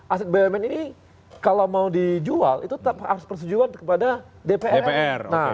aset bumn ini kalau mau dijual itu harus persetujuan kepada dpr